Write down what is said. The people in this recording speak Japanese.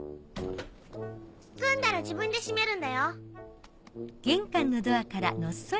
済んだら自分で閉めるんだよ。